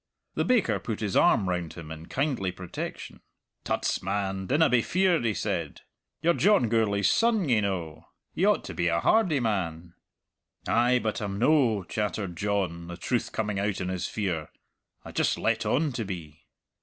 The baker put his arm round him in kindly protection. "Tuts, man, dinna be feared," he said. "You're John Gourlay's son, ye know. You ought to be a hardy man." "Ay, but I'm no," chattered John, the truth coming out in his fear. "I just let on to be."